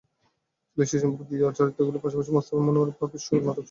ছিল সিসিমপুরের প্রিয় চরিত্রগুলোর পাশাপাশি মুস্তাফা মনোয়ারের পাপেট শো, নাটকসহ নানা কিছু।